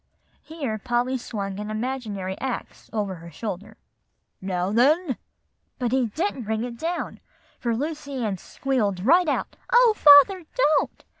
Here Polly swung an imaginary axe over her shoulder, "'Now, then' but he didn't bring it down, for Lucy Ann squealed right out, 'O father, don't!